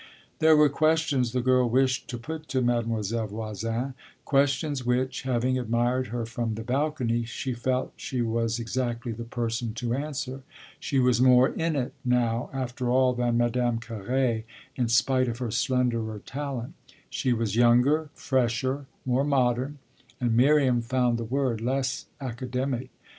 There were questions the girl wished to put to Mademoiselle Voisin questions which, having admired her from the balcony, she felt she was exactly the person to answer. She was more "in it" now, after all, than Madame Carré, in spite of her slenderer talent: she was younger, fresher, more modern and Miriam found the word less academic.